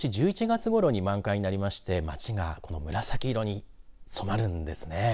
毎年１１月ごろに満開になりまして、町がこの紫色に染まるんですね。